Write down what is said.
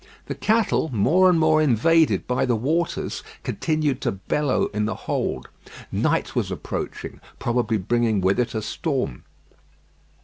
The cattle, more and more invaded by the waters, continued to bellow in the hold. Night was approaching, probably bringing with it a storm.